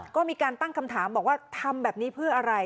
ก็มีการตั้งคำถามบอกว่าทำแบบนี้เพื่ออะไร